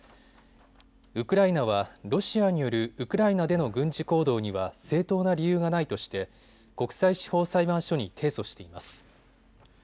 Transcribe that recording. ウクライナはロシアによるウクライナへの軍事行動には正当な理由がないとして国際司法裁判所に提訴しています。